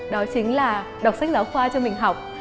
đó chính là đọc sách giáo khoa cho mình học